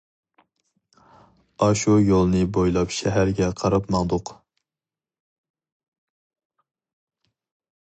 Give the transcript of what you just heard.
ئاشۇ يولنى بويلاپ شەھەرگە قاراپ ماڭدۇق.